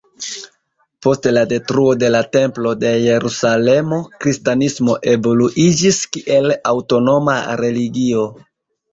Post la detruo de la Templo de Jerusalemo, kristanismo evoluiĝis kiel aŭtonoma religio.